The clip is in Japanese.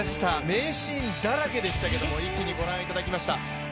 名シーンだらけでしたが一気にご覧いただきました。